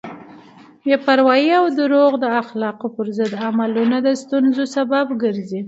بې پروایی او دروغ د اخلاقو پر ضد عملونه د ستونزو سبب ګرځي.